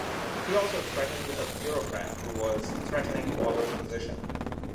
He also threatened a bureaucrat who was threatening Waller's position.